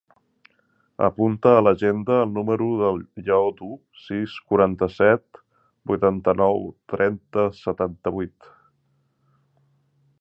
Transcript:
Apunta a l'agenda el número del Lleó Du: sis, quaranta-set, vuitanta-nou, trenta, setanta-vuit.